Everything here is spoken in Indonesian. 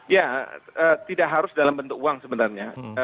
ya tidak harus dalam bentuk uang sebenarnya